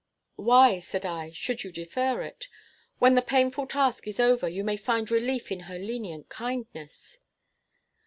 "Why," said I, "should you defer it? When the painful task is over, you may find relief in her lenient kindness."